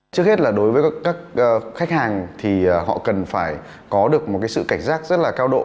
trước hết là đối với các khách hàng thì họ cần phải có được một cái sự cảnh giác rất là cao độ